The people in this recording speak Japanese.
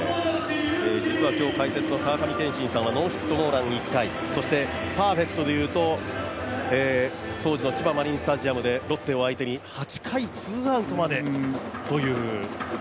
実は今日解説の川上憲伸さんはノーヒットノーラン１回そしてパーフェクトでいうと当時の千葉マリンスタジアムでロッテを相手に８回ツーアウトまでという。